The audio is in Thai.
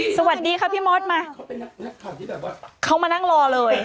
สวัสดีค่ะพี่มดมาเขาเป็นนักข่าวที่แบบว่าเขามานั่งรอเลย